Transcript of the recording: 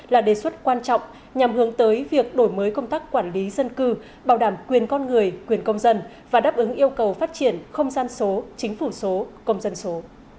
là đề xuất quan trọng nhằm hướng tới việc đổi mới công tác quản lý dân cư bảo đảm quyền con người quyền công dân và đáp ứng yêu cầu phát triển không gian số chính phủ số công dân số